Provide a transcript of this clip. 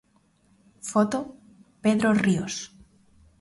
Foto: Pedro Rios.